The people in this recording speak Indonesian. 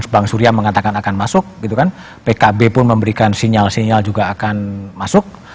bang surya mengatakan akan masuk pkb pun memberikan sinyal sinyal juga akan masuk